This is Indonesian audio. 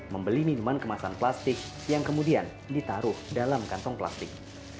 membeli minuman kemasan plastik yang kemudian ditaruh dalam kantong plastik